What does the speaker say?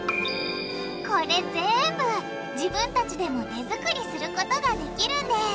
これぜんぶ自分たちでも手作りすることができるんです！